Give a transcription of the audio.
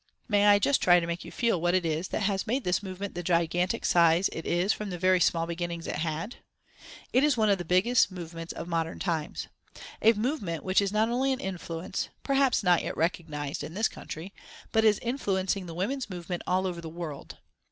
May I just try to make you feel what it is that has made this movement the gigantic size it is from the very small beginnings it had? It is one of the biggest movements of modern times. A movement which is not only an influence, perhaps not yet recognised, in this country, but is influencing the women's movement all over the world.